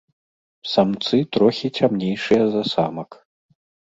Самцы трохі цямнейшыя за самак.